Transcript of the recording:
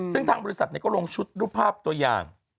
ซึ่งทางบริษัทก็ลงชุดรูปภาพตัวอย่าง